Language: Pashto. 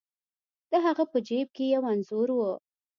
د هغه په جیب کې یو انځور و.